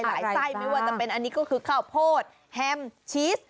ไส้ไม่ว่าจะเป็นอันนี้ก็คือข้าวโพดแฮมชีส